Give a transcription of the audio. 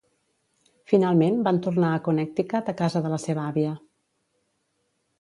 Finalment van tornar a Connecticut a casa de la seva àvia.